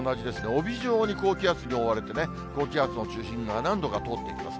帯状に高気圧に覆われて、高気圧の中心が何度か通っていきます。